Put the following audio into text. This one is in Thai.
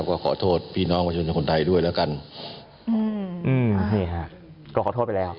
ก็ขอโทษไปแล้ว